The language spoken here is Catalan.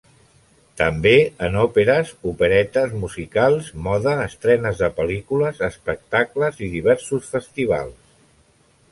També en òperes, operetes, musicals, moda, estrenes de pel·lícules, espectacles i diversos festivals.